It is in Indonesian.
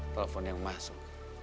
telepon yang masuk